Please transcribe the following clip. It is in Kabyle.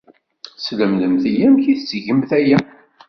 Slemdemt-iyi amek ay tettgemt aya.